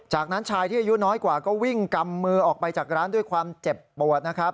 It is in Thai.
จากนั้นชายที่อายุน้อยกว่าก็วิ่งกำมือออกไปจากร้านด้วยความเจ็บปวดนะครับ